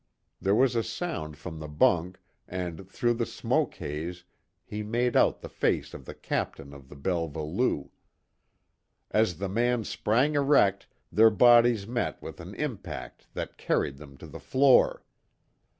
There was a sound from the bunk and, through the smoke haze he made out the face of the Captain of the Belva Lou. As the man sprang erect, their bodies met with an impact that carried them to the floor.